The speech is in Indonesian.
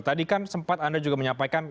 tadi kan sempat anda juga menyampaikan